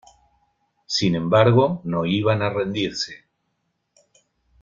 Sin embargo, no iban a rendirse.